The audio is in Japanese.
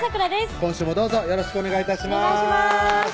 今週もどうぞよろしくお願い致します